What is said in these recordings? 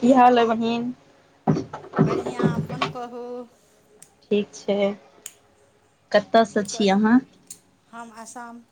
की हाल है बहिन बढ़िआँ अपन कहू ठीक छै [inaudible] कऽ तऽ की स छी करै अहाँ हम आसम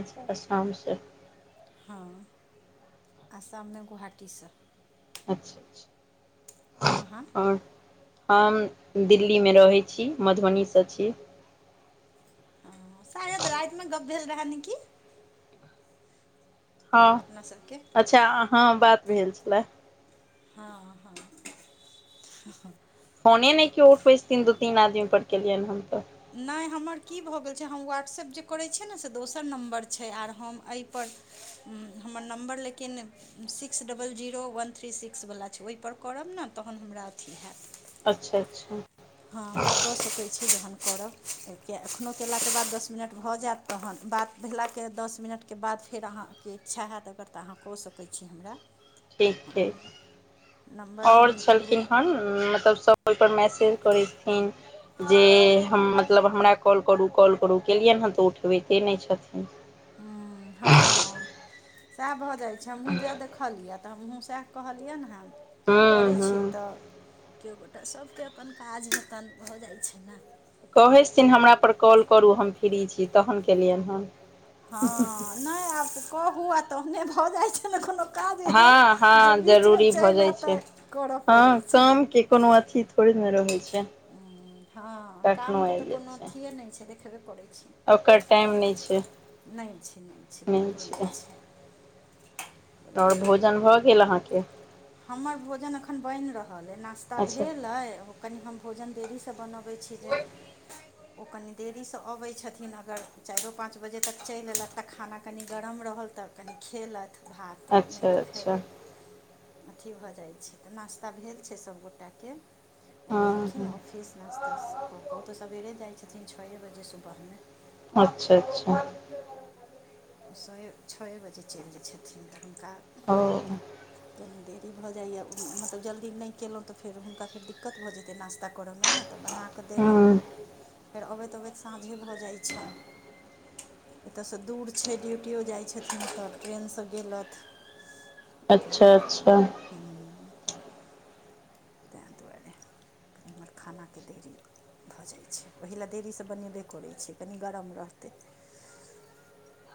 अच्छा असाम से हँ [inaudible] आसाम मे गुवाहाटी स अच्छा अच्छा अहाँ [inaudible] और हम दिल्ली में रहै छी मधुबनी स छी। हँ शायद रात में गप्प भेल रहा न कि हँ अपना सभके [inaudible] अच्छा अहाँ बात भेल छलै। हँ हँ [unintelligible] फोने नै केओ उठबै छथीन दू तीन आदमी पर केलियन हन तऽ नै हमर की भऽ गेल छै हम व्हाट्सएप जे करै छियै न से दोसर नम्बर छै आर हम एहिपर हमर नम्बर लेकिन [unintelligible] अच्छा अच्छा हँ हमरा कऽ सकै छी जहन करब। किए एखनो कयला केँ बाद दस मिनट भऽ जायत तहन बात भेला के दस मिनट केँ बाद फेर अहाँ। की इच्छा हैत अगर तऽ अहाँ कऽ सकैत छी हमरा। ठीक ठीक [inaudible] नम्बर हम और ग्रुप छलखिन हन मतलब सब ओइपर मैसेज करै छथिन जे हम मतलब हमरा कॉल करू कॉल करू, केलियैन हँ तऽ उठबैते नै छथिन। हूँ हँ सएह भऽ जाय छै हमहु तें देख, देखलिया तऽ हमहुँ सेह कहलियै न हें हूँ करै हूँ छियै। तऽ किओ गोटा सबके अपन काज हेतैन भऽ जाइ छैन ने। कहै सिथिन हमरा पर कॉल करू हम फ्री छी तहन केलियैन हें। हँ नै आब कहू आ तहने भऽ जाइ छै ने खनो। काज एहन, हँ जे हँ बीचमे जरूरी भऽ चाइल जाइ आतऽ त करऽ पड़ै छै लोकके। ओ अथि त ओईमे रहै छै हँ कखनो कामके तऽ आबि जाइ कोनो छै अथिये नै छै, देखबे करै छीयई। ओकर टाइम नै छै। नै छै, नै छै, बिल्कुल नै छै। आओर भोजन भऽ गेल अहाँके? हमर भोजन अखन बईन रहल अई। नास्ता अच्छा भेलअइ ओ कनि हम भोजन देरी सँ बनब। बै छी जे, ओ कनि देरीसँ अबै छथिन अगर। चाइरो पाँच बजे तक चइल अयलथ तऽ खाना कनि गरम रहल। तऽ कनि खेलैथ भात नै अच्छा तऽ अच्छा फेर। अथी भऽ जाइ छै। तऽ नास्ता भेल छै सबगोटाक के। ओ हँ गेलखिन हँ ऑफिस। फीस नास्ता स कऽ कऽ। उ तऽ सबेरे जाइ छथिन छए बजे सुबह मे। अच्छा अच्छा सोए छओए बजे चईल जाइ छथिन तऽ हुनका। ओ कनि देरी भऽ जाइए मतलब जल्दी नै कयलौ तऽ फेर हुनका फेर दिक्कत भऽ जेतै नास्ता करऽमे ने। तऽ बना कऽ देलौं। हँ फेर अबैत अबैत साँझे भऽ जाइ छन। एतऽसँ दूर छै। ड्यूटियओ जाइ छथिन तऽ ट्रेनसँ गेलथ। तहन अच्छा फेर। अच्छा हूँ। तें दुआरे। इम्हर खानाके देरी भऽ जाइ छै। ओहि ला देरीसँ बनेबे करै छै। कनि गरम रहतै।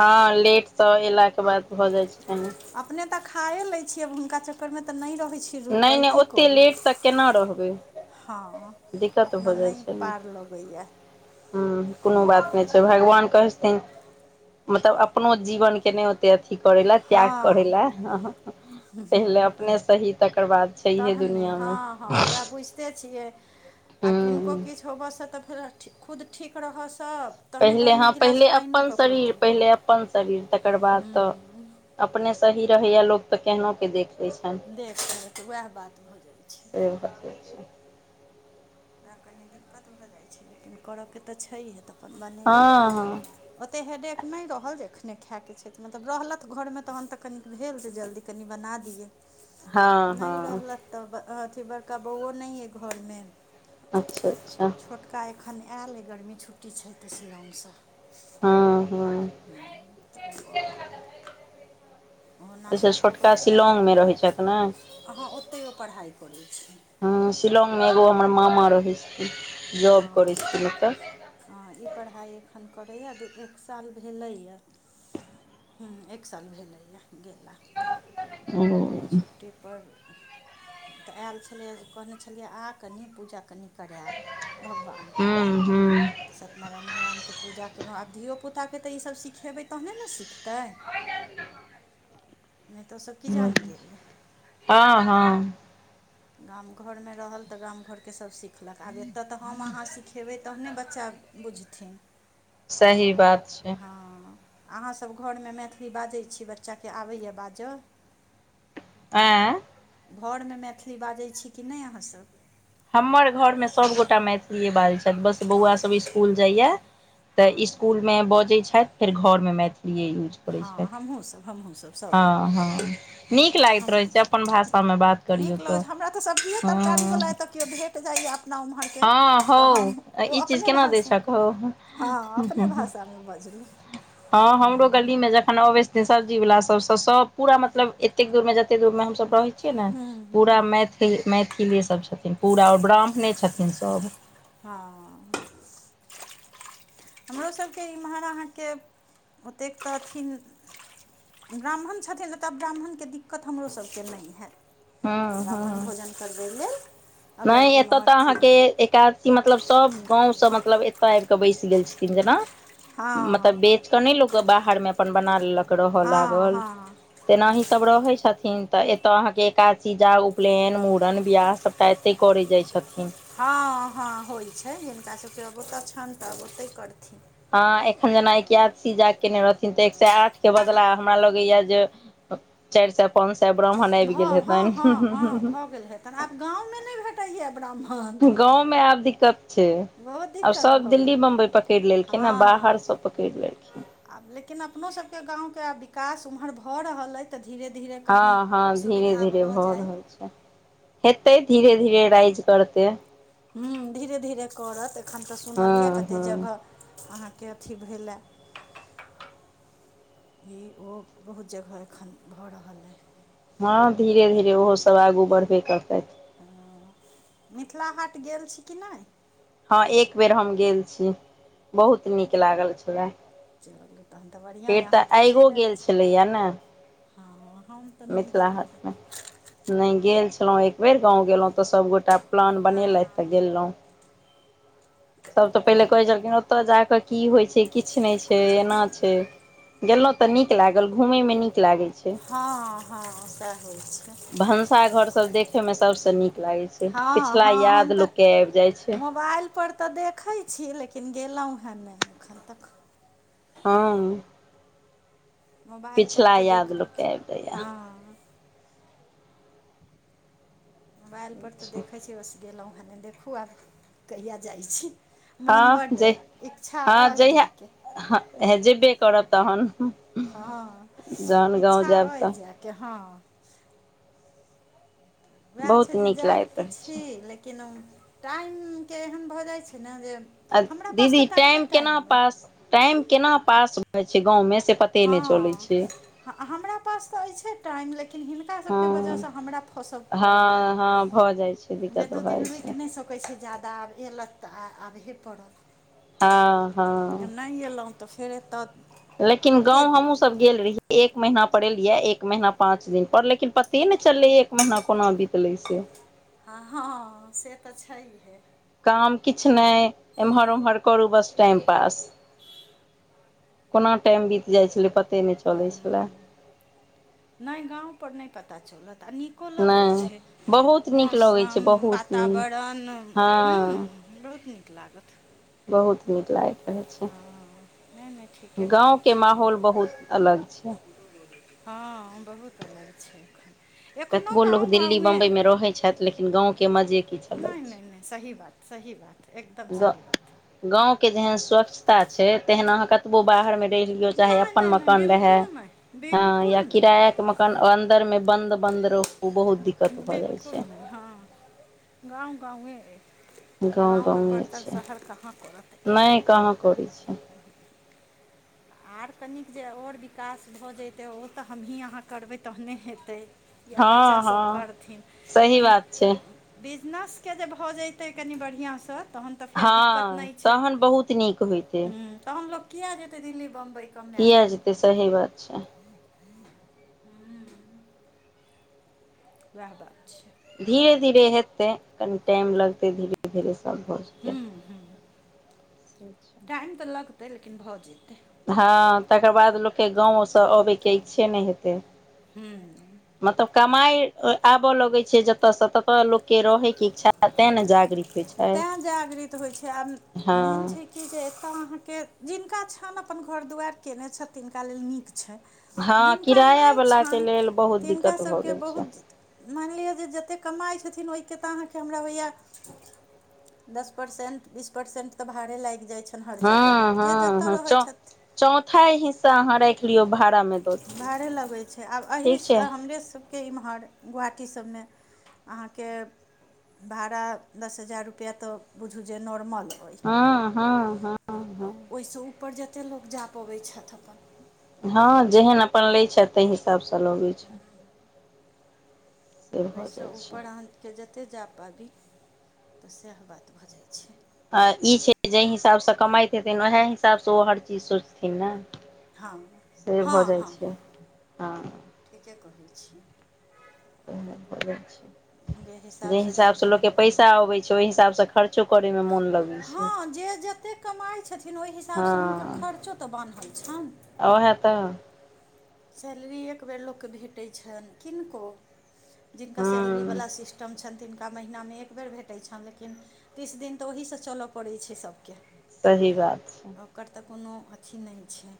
हँ लेट स एला के बाद, भऽ जाइ छै कनी अपने तऽ खाए लै छीयै। हुनका चक्कर मे त नै रहै छीए। नै नै ओते लेट तऽ केना रहबै। हँ दिक्कत अपना भऽ जाइ नै छै ने पार लगैया। हूँ, कुनो बात नै छै। भगवान कहै छथिन, मतलब अपनो जीवन के ने, अथी करै ला, त्याग करै हँ ला। पहिले अपने सहि तकर बाद छैहे तहन ने। दुनिया मे हँ हँ उएह बुझ ते छियै। आब हूँ किनको किछु होबऽसँ तऽ फेर ठी खुद ठीक रहऽ सब। पहिले हँ पहिले अपन शरीर पहिले अपन शरीर तकर बाद तऽ। अपने सही रहैया लोक त केहनो के देख। होइ छनि देख देख उएह बात भऽ जाइ छै से भ जाय छनि ओकरा कनी दिक्कत भऽ जाइ छै लेकिन कर के तऽ छैहे तऽ अपन बनेलौं हँ हँ ओते हेडेक नै रहल, जे एखने खाय के छै। मतलब रहलथ घर मे तहन त कनिक भेल जे जल्दी। कनि बना दियै हँ नै हँ रहलैथ त अथि बड़का बौआ नै यै घर मे अच्छा अच्छा छोट का एखन आयल अई गरमी छुट्टी छै त शिलौग स हॅं हॅं [unintelligible] अहो अच्छा नाश्ता क क छोटका क शिलौंग मे रहै छथि ने अहाँ ओते ओ पढ़ाइ करै छै ह शिलौंग मे एगो हमर मामा रहे छे हँ जॉब करे छथिन ओता हँ ई पढ़ाइ एखन करेय या दू एक साल भेलेय हुॅं एक साल भेलेए गेलाय त ओ आ हूँ छुट्टी पर त आयल छले कहने छ लिये आ कनि पूजा कनि करेएब भगवान आन के हूँ त सत्यनारायण भगवान के पूजा केलौ आब धियोपुता के त ईसभ सिखे बे तहने ने सिखतै नै त ओसभ कि जान गेले हाॅं हाॅं गाम घर मे रहल त गाम घर के सभ शिख आब त हम अहा सिखेबै तहने बच्चा बुझथिन सही बात छै हा अहाँ सभ घर मे मैथिली बाजे छी बच्चा के अबैए बाज [inaudible] ए घर मे मैथिली बाजै छी कि ने अहाँ सभ हमर घर मे सभगोटा मैथिलीए बाजे छैथ बस हँ बौआ सभ ईसकुल जाइए त हँ ईस्कूल मे बजे छैथ फेर घर मे मैथिलीए यूज करै हँ छथि हमहू सब हमहूँ सब सब आदमी हँ हँ हँ नीक लागैत रहै हमहूँ छै अपन सब भाषामे बात करियौ नीक लगे तऽ छे हमरा त सब्जीए तरकारी हँ वाल ऐता के ओ भेट जाइया एना उम्हर के हँ हौ त हम ओ ई चीज अपने केना दै भाषा छक हौ हा अपने भाषा मे बजलौ हा हमरो कनी मे जखन अबै छथिन सब्जी वालला सब सब पूरा मतलब एते दूर में जते दूर में हम सब रहै छी छिये ने हँ पूरा मैथिली मैथिले सभ छथिन पूरा आ ओर ब्राह्मणे छथिन सभ हाॅं हमरो सबके इम्हर अहाँ के ओतेक त अथिन ब्राह्मण छथिन त ब्राह्मण के दिक्कत हमरो सबके नै हए हँ ब्राह्मण भोजन करबै लेल नै अगर कोनो एतय् त अथी अहाँ के एक एकाघ मतलब सब गाँव से मतलब एतय आब क बेस गेल छथिन जेना मतलब हँ बेच अ नै लोक के बाहर मे अपन बना लेलक रह हँ लागल हँ तेनाही सभ रहे छथिन त एतय अहाँ के एकादशी जाग उपनयन मुूड़न बियाह सब ता एते करे जाय छथिन हा हा होइ छै ऐकरा सब के बहुत अच्छा से ओते करथीन ह एखन जेना एकादशी जाग केने रहथिन त एक स आठ के बदला हमरा लगे या जे चैर सेए पाँच सेए ब्राह्मण आइब गेल हेतैन तहन आब गाँव मे नै भेटे या ब्राह्मण गाँव मे आब दिक्कत बहुत आब दिक्कत सभ भऽ दिल्ली गेलै बम्बई पकैड़ लेलखिन ह बाहर हँ सब पकड़ लेलखिन आब लेकिन अपनो सभ के गाम के आब विकास ओम्हर भ रहलये त धीरे धीरे कही हँ हँ धीरे सुविधा धीरे भ भऽ जाय रहल छै हेतै धीरे धीरे राइज करते‌। हु धीरे- धीरे करत एखन तऽ सुनलियै हँ कतेक हँ जगह अहाँ केँ अथि भेलए [unintelligible] [inaudible] ई ओ बहुत जगह एखन भऽ रहल अइ हँ धीरे- धीरे ओहो सब आगू बढ़बे करतै। हँ [inaudible] मिथिला हाट गेल छी कि नै हँ एक बेर हम गेल छी [inaudible] बहुत नीक लागल छलै। [unintelligible] बढ़िआँ यए फेर अहाँ तऽ आइगो चलि आयल गेल छी छलैये न। हँ हम तऽ नै गेलौं है नै गेल छलौ एक बेेर गाँव गेलौ तऽ सभ गोटा प्लान बनेलैथ तऽ हेँ गेलौ [inaudible] सब तऽ पहिले कहे छलखिन ओ ओत जा कऽ की होइ छै किछ नै छै एना छै। गेलौ तऽ नीक लागल घुमै में नीक लागै छै हँ हँ सेह होइ छै। भनसाघर सभ देखय में सभ स नीक लागैत छै हँ पिछला याद लोककेँ आइब जाइ छै। पर तऽ देखै छी लेकिन गेलौ हे नै एखन तक [unintelligible] मोबाइल पर पिछला तऽ याद देखै लोकके छी आबि [inaudible] हँ मोबाइल पर तऽ जाइए देखै छी बस गैलौ हें नै देखू आब [inaudible] कहिया जाइ छी। मोन हँ बड अइ इच्छा अह जायके। हऽ हे जेब्बे करब तहन हँ जहन गाँव इच्छा जायब अइ तऽ जायके हँ वैह छै बहुत जे नीक जाइत लागैत तऽ रहै छी छै लेकिन टाइम केँ एहन भऽ जाइत छै ने जे अ हमरा पास दीदी तऽ टाइमे टाइम केना अइ पास टाइम केना पास होइ छै गाँव में से पता हँ हमरा पास तऽ अइछे टाइम लेकिन हिनका सभ केँ वजह स हँ हमरा फस हँ हँ भऽ जाइ छै दिक्कत भऽ जाइ छै। कहै छै जादा आब [unintelligible] तऽ आबहे पड़त हँ हँ जब नै एलू तऽ फेर एत लेकिन गाँव हमहुँ सब गेल रहियै एक महीना पर एलियै एक महीना पाँच दिन पर लेकिन प ते नै चललै एक महीना कोना बितले से। ह [unintelligible] से तऽ छैहिए काम किछ नै एम्हर ओम्हर करू बस टाइम पास। [unintelligible] कोना टाइम बीत जाइत छलय पते नै चलै छलै। नै गाँव पर नै पता चलत आ नीक नीको लगै नहि छै बहुत [inaudible] नीक लगै छै मौसम बहुत नीक वातावरण हु हँ बहुत नीक लागत। बहुत नीक लागैत रहैत छै। हँ नहि नहि ठीके गाँव करै केँ छी माहौल बहुत अलग छै। हँ बहुत अलग छै एखन। एखनो कतबो लोक गाँव दिल्ली गाँवे बम्बइमे अइ रहै छथि लेकिन गाँवके मजे किछु [inaudible] अलग नै नै छै नै सही बात सही बात एकदम सही बात। गाँव केँ जेहेन स्वच्छता छै तेहन अहाँ कतबो बाहर में नै लियो चाहे नहि अपन नहि नहि मकान रहे बिल्कुल नहि हँ बिल्कुल या नहि किराया केँ मकान अ अन्दर मे बन्द -बन्द रहू ओ बहुत दिक्कत भऽ जाइ बिल्कुल छै। नहि हँ गाँव गाँवेेये। गाँव के परतर शहर कहाँ करत एखनो काहै करै छी आर कनिक जे और विकास भऽ जइतै ओ तऽ हमही अहाँ करबै तहने हेतै। एहा हँ बच्चा हँ सभ करथिन सही कनि बात छै बिजनस के जे भऽ जेतै कनि बढ़िआँ सँ तहन त फेर हँ दिक्कत नै छै तहन बहुत नीक होइतै तहन लोक किया जते दिल्ली बम्बई कमा ल तऽ सही बात छै वएह बात छै धीरे धीरे हेतै कनि टाइम लगतै धीरे धीरे सभ भऽ जेतै हु टाइम तऽ लगतै लेकिन भऽ जेतै हँ तकर बाद लोक के गाँव सँ अबय के इच्छे नय हेतै हू मतलब कमाई आबअ लगै छै जतऽ से तऽ लोक के रहे के इच्छा तेने जागृत होइ छै ताय जागृत होइ छै आब हँ मेन छै कि जे एतऽ अहाँके जिनका छनि अपन घर दुआरि कयने छथि तिनका लेल नीक छैय हँ जिनका किराया नय वला के छन लेल बहुत तिनका दिक्कत सभ भऽ के गेल छै बहुत मान लिअ जे जते कमाइ छथिन ओहि के त हमरा होय या दस परसेंट बीस परसेंट ता भारे लाएग जाय छै हर जगह जे जतऽ रहै छथि चौथा हिस्सा अहाँ राखि लियौ भात भाड़े लगे छै आब छै एहिसँ हमरे सभ के एम्हर गुवाहाटी सबमे अहाँके भाड़ा दस हजार रुपैआ तऽ बुझू जे नॉर्मल होइ हँ हँ हँ आ हँ ओहिसँ ऊपर जतेक लोक जा पबैत छथि अपन हँ जेहन अपन लै छथि ताहि हिसाब सँ लगै छै से भऽ ओहिसँ जाइ छै ऊपर अहाँ के जतेक जा पाबी तऽ सएह बात भऽ जाइ छै आ ई छै जाहि हिसाब सँ कमाइत हेथिन उएह हिसाब सँ ओ हर चीज सोचथिन न हँ हँ हँ हँ ठीके कहै छिय जे हिसाबसँ हिसाब से जिनकर लोक के अपन पैसा अबै ओहि हिसाब से खर्चो करे मे मन लग हँ जे जते कमाइत छथिन ओहि हिसाब हँ सँ हुनकर खर्चो तऽ बान्हल छन ओहे तऽ सैलरी एक बेर लोक केँ भेटैत छनि किनको जिनका सैलरी हूँ वाला सिस्टम छन तिन हुनका महिना मे एक बेर भेटै छनि लेकिन तीस दिन तऽ ओहिसँ चलय पड़ैत छै सभके सही बात छै आ ओकर तऽ कोनो अथी नय छै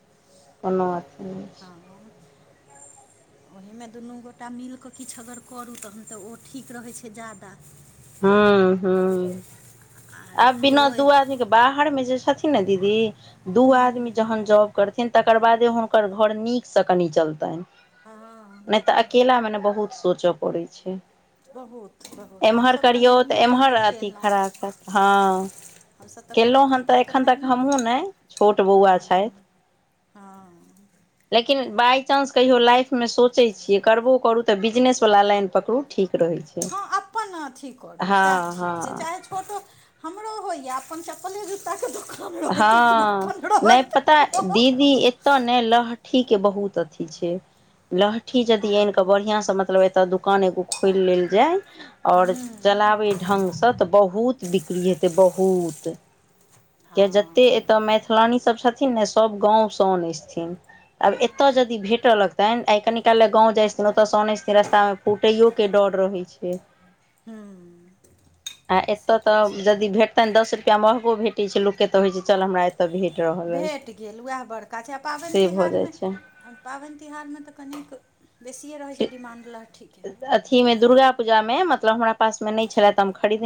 कोनो अथी नय छै [unintelligible] ओहे मे दुनू गोटा मिलि क किछु अगर करू तहन त ओ ठीक रहै छै ज्यादा हूँ हूँ आर आब केओ बिना दू आदमी बाहर मे जे छथिन ने दीदी दू आदमी जहन जॉब करथीन तकर बादे हुनकर घर नीक सँ कनि चलतनि हँ नय त अकेला मे ने बहुत सोचय पड़ै छै बहुत बहुत हम एम्हर सब करियौ त एमहर अथी खराब हैत हँ हमसभ तऽ केलों हन त तऽ एखन तक नहिए हमहूँ कयलहुँ नय छोट बौआ हँ छथि हँ लेकिन बाइ चान्स कहियो लाइफ मे सोचै छियै करबो करू त बिजनेस बला लाइन पकड़ू ठीक रहै छै हँ अपन अथी करू हँ सैह ठीक छै हँ चाहे छोटो हमरो होय ये अपन अपने जुता के दुकान रहैत लेकिन हँ अपन नहि रहैत पता [unintelligible] दीदी एतय ने लहठी के बहुत अथी छै लहठी जदि आन के त बढ़िया से मतलब एतय दुकान एगो खोलि लेल जाय आओर चलाबै ढंग से त बहुत बिक्री हेतै बहुत किए हँ जतेक हँ एतय मैथिलानी सभ छथिन ने सभ गाँव स अनाय छथिन आब वएह एतय ने यदि भेटय लगतनि आइ कनि काल लए गाँव जाइत छथिन ओतय नहि स आनैत नहि छथिन रस्ता मे फूटैयो के डर रहै छै [unintelligible] आ एतऽ त तऽ छै यदि भेटतनि दस रुपआ महगो भेटैत छै लोक के त होइ छै चल हमरा एतय भेटअ भेट गेल वएह बड़का छै आ पाबनि भऽ तिहार जाइ मे छै पाबनि तिहार मे त कनिक बेसिए रहैत छै डिमांड लहठी के अथी मे दुर्गा पूजा मे मतलब हमरा पास मे नहि छले त हम खरीदने